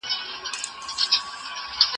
زه ليکنې نه کوم.